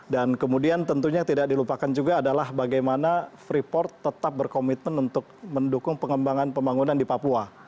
dan kemudian tentunya tidak dilupakan juga adalah bagaimana freeport tetap berkomitmen untuk mendukung pengembangan pembangunan di papua